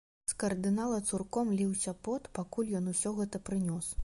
З кардынала цурком ліўся пот, пакуль ён усё гэта прынёс.